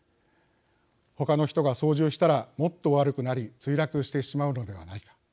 ほかの人が操縦したらもっと悪くなり墜落してしまうのではないか。